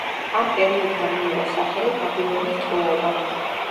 ამ პერიოდმა მიიღო სახელი ბაბილონის ტყვეობა.